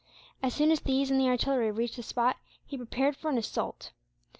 As soon as these and the artillery reached the spot, he prepared for an assault.